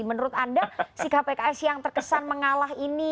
menurut anda sikap pks yang terkesan mengalah ini